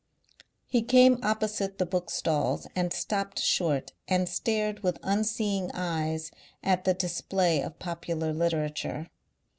He came opposite the bookstalls and stopped short and stared with unseeing eyes at the display of popular literature.